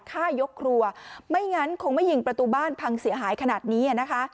ฆ่ายกครัวไม่งั้นคงไม่ยิงประตูบ้านพังเสียหายขนาดนี้นะคะ